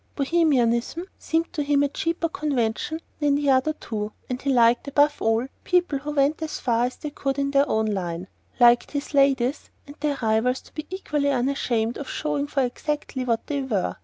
"Bohemianism" seemed to him a cheaper convention than the other two, and he liked, above all, people who went as far as they could in their own line liked his "ladies" and their rivals to be equally unashamed of showing for exactly what they were.